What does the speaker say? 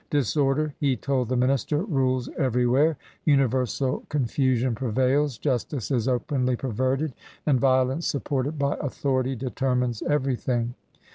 "Disorder," he told the minister, "rules everywhere. Universal con fusion prevails; justice is openly perverted, and violence supported by authority determines every thing.